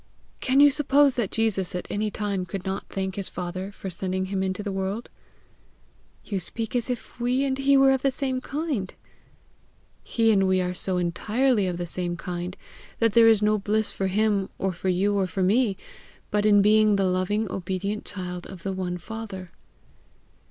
Can you suppose that Jesus at any time could not thank his Father for sending him into the world?" "You speak as if we and he were of the same kind!" "He and we are so entirely of the same kind, that there is no bliss for him or for you or for me but in being the loving obedient child of the one Father."